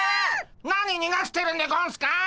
何にがしてるんでゴンスか！